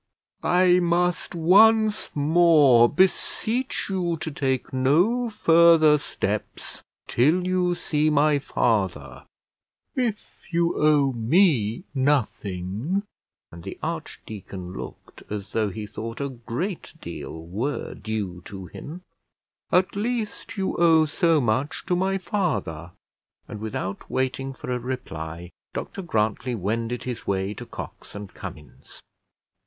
"I must once more beseech you to take no further steps till you see my father; if you owe me nothing," and the archdeacon looked as though he thought a great deal were due to him, "at least you owe so much to my father;" and, without waiting for a reply, Dr Grantly wended his way to Cox and Cummins.